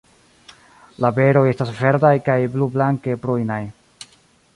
La beroj estas verdaj kaj blublanke prujnaj.